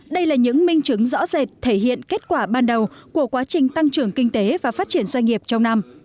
đây là những minh chứng rõ rệt thể hiện kết quả ban đầu của quá trình tăng trưởng kinh tế và phát triển doanh nghiệp trong năm